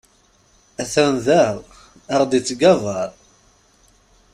Atan da, aɣ-d ittgabaṛ.